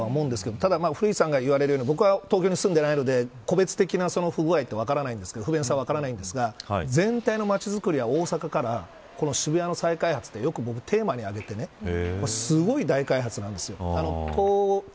ただ、古市さんが言われるように僕は東京に住んでないので個別的な不具合は分からないですが全体の街づくりは大阪から渋谷の再開発ってよくテーマに挙げてすごい大開発なんですよ。